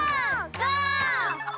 ゴー！